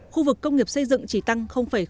khu vực công nghiệp xây dựng chỉ tăng bảy